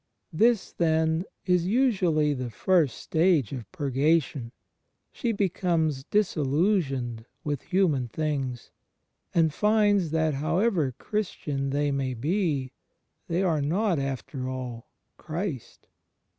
This then is usually the first stage of Purgation; she becomes disiUusioned with human things, and finds that however Christian they may be, they are not, after all, Christ.